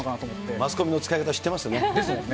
マスコミの使い方知ってますですもんね。